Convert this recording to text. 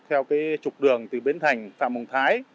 theo cái trục đường từ bến thành phạm hồng thái